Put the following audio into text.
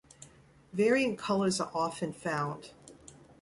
Variant colors are often found.